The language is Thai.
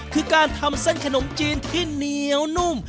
คือการทำเส้นขนมจีนที่เหนียวนุ่ม